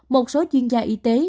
một số chuyên gia y tế